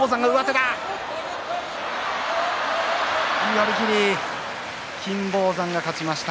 寄り切り金峰山が勝ちました。